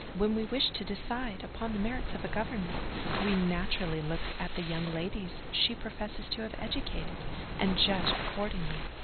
When we wish to decide upon the merits of a governess, we naturally look at the young ladies she professes to have educated, and judge accordingly.